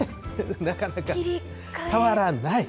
なかなか、変わらない。